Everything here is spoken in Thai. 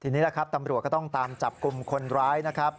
ทีนี้แหละครับตำรวจก็ต้องตามจับกลุ่มคนร้ายนะครับ